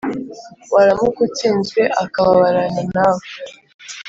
waramuka utsinzwe, akababarana nawe.